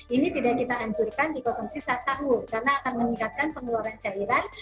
ini tidak kita hancurkan dikonsumsi saat sahur karena akan meningkatkan pengeluaran cairan